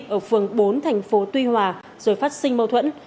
ở phường bốn thành phố tuy hòa rồi phát sinh mâu thuẫn